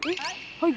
はい。